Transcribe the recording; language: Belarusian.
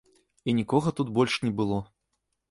І нікога тут больш не было.